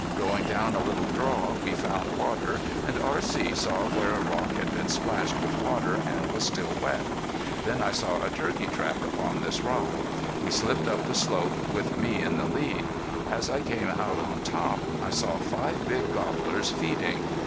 Going down a little draw we found water, and R.C. saw where a rock had been splashed with water and was still wet. Then I saw a turkey track upon this rock. We slipped up the slope, with me in the lead. As I came out on top, I saw five big gobblers feeding.